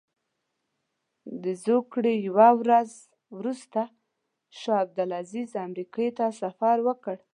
د زوکړې یوه ورځ وروسته شاه عبدالعزیز امریکې ته سفر وکړ.